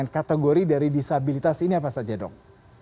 kategori dari disabilitas ini apa saja dok